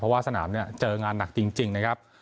ว่าสนามเนี่ยเจองานหนักจริงนะครับ